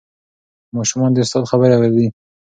ماشومان د استاد خبرې اورېدې.